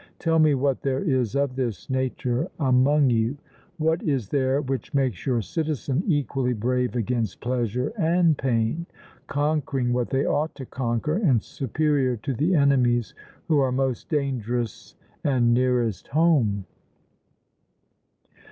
Tell me what there is of this nature among you: What is there which makes your citizen equally brave against pleasure and pain, conquering what they ought to conquer, and superior to the enemies who are most dangerous and nearest home?